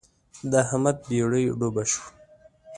د احمد بېړۍ ډوبه شوه.